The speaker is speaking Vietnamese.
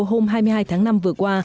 hôm hai mươi hai tháng năm vừa qua